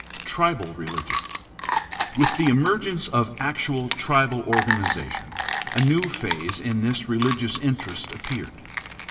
b) Tribal religion. — With the emergence of actual tribal organization a new phase in this religious interest appeared.